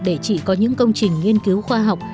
để chị có những công trình nghiên cứu khoa học